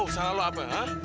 lu tau salah lu apa ha